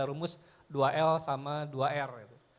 rumus dua l sama dua r